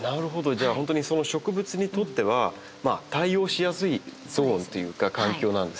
じゃあ本当にその植物にとっては対応しやすいゾーンというか環境なんですね。